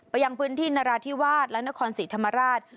ยังพื้นที่นราธิวาสและนครศรีธรรมราช